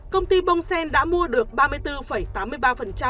công ty bongsen đã mua được